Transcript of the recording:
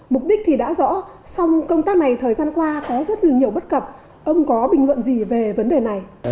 mục đích thì đã rõ xong công tác này thời gian qua có rất là nhiều bất cập ông có bình luận gì về vấn đề này